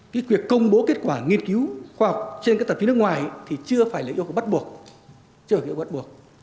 việc công bố kết quả nghiên cứu khoa học trên các tạp chí nước ngoài thì chưa phải là yêu cầu bắt buộc